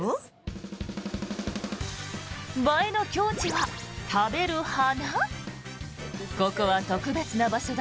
映えの境地は食べる花？